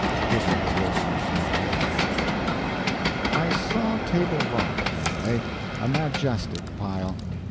Pudd'nhead Wilson's New Calendar. I saw Table Rock, anyway a majestic pile.